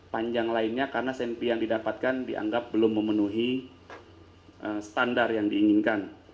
panjang lainnya karena sempi yang didapatkan dianggap belum memenuhi standar yang diinginkan